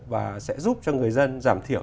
và sẽ giúp cho người dân giảm thiểu